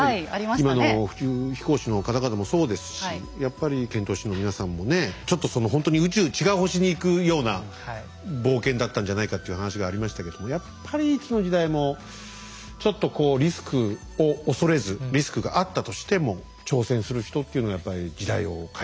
今の宇宙飛行士の方々もそうですしやっぱり遣唐使の皆さんもねちょっとそのほんとに宇宙違う星に行くような冒険だったんじゃないかっていう話がありましたけどやっぱりいつの時代もちょっとこうリスクを恐れずリスクがあったとしてもっていうことをね